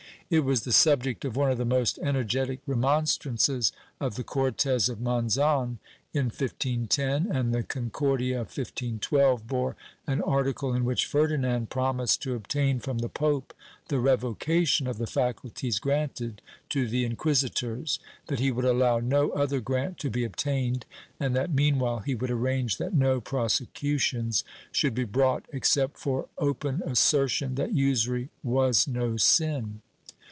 It was the subject of one of the most energetic remonstrances of the Cortes of Monzon in 1510, and the Concordia of 1512 bore an article in which Ferdinand promised to obtain from the pope the revocation of the faculties granted to the inquisitors; that he would allow no other grant to be obtained, and that meanwhile he would arrange that no prose cutions should be brought except for open assertion that usury was no sin.